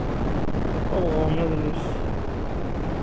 Ad ɣren adlis.